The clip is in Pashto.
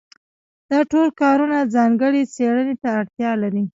دا ټول کارونه ځانګړې څېړنې ته اړتیا لري.